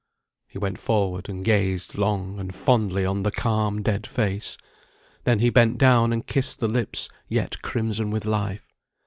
He went forward and gazed long and fondly on the calm, dead face; then he bent down and kissed the lips yet crimson with life.